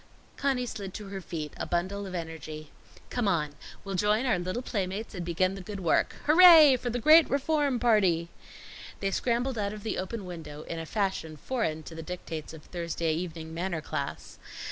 Conny slid to her feet, a bundle of energy. "Come on! We'll join our little playmates and begin the good work Hooray for the great Reform Party!" They scrambled out of the open window, in a fashion foreign to the dictates of Thursday evening manner class.